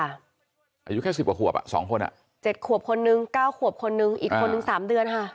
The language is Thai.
อายุแค่สิบกว่าขวบอ่ะสองคนอ่ะเจ็ดขวบคนนึง๙ขวบคนนึงอีกคนนึงสามเดือนค่ะ